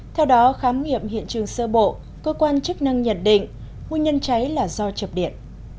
theo đó khám nghiệm hiện trường sơ bộ cơ quan chức năng nhận định nguyên nhân cháy là do chập điện